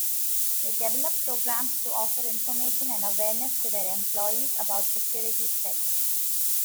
They develop programs to offer information and awareness to their employees about security threats.